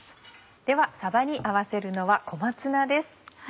ではさばに合わせるのは小松菜です。